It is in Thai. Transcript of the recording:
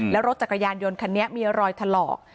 แล้วรถจักรยานยนต์คันนี้มีรอยถลอก